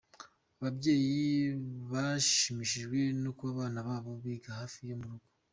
Ababyeyi bashimishijwe no kuba abana babo biga hafi yo mu rugo .